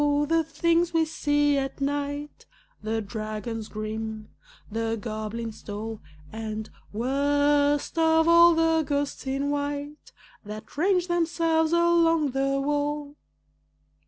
the things we see at night The dragons grim, the goblins tall, And, worst of all, the ghosts in white That range themselves along the wall!